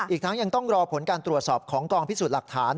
อีกทั้งยังต้องรอผลการตรวจสอบของกองพิสูจน์หลักฐาน